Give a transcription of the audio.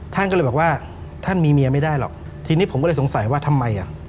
ท่านก็เลยบอกว่าท่านมีเมียไม่ได้หรอกทีนี้ผมก็เลยสงสัยว่าทำไมอ่ะ